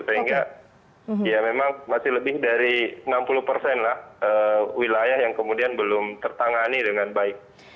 sehingga ya memang masih lebih dari enam puluh persen lah wilayah yang kemudian belum tertangani dengan baik